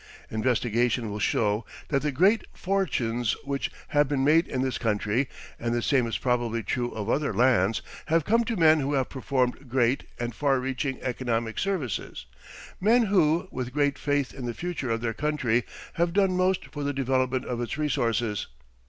Investigation will show that the great fortunes which have been made in this country, and the same is probably true of other lands, have come to men who have performed great and far reaching economic services men who, with great faith in the future of their country, have done most for the development of its resources.